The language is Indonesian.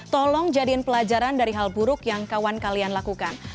tolong jadiin pelajaran dari hal buruk yang kawan kalian lakukan